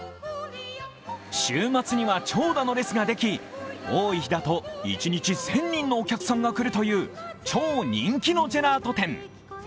週末には長蛇の列ができ多い日だと一日１０００人のお客さんが来るという超人気のジェラート店。